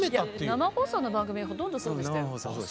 生放送の番組はほとんどそうでしたよ。